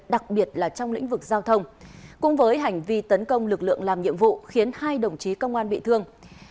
đặc biệt là trong lĩnh vực giao thông cùng với hành vi tấn công lực lượng làm nhiệm vụ khiến hai đồng chí công an bị thương